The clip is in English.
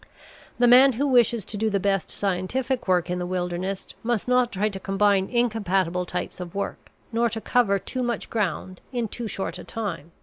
The man who wishes to do the best scientific work in the wilderness must not try to combine incompatible types of work nor to cover too much ground in too short a time.